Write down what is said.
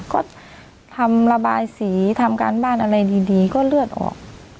ก็ทำระบายสีทำการบ้านอะไรดีก็เลือดออก